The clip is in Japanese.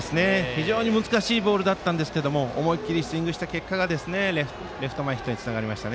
非常に難しいボールでしたが思い切りスイングした結果がレフト前ヒットにつながりました。